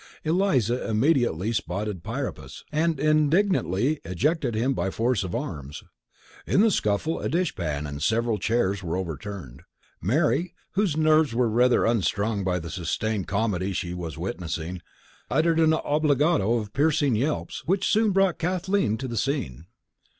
Eliza immediately spotted Priapus, and indignantly ejected him by force of arms. In the scuffle a dish pan and several chairs were overturned. Mary, whose nerves were rather unstrung by the sustained comedy she was witnessing, uttered an obbligato of piercing yelps which soon brought Kathleen to the scene.